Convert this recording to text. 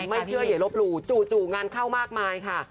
ไม่เชื่ออย่าลบหลู่จู่งานเข้ามากมายค่ะ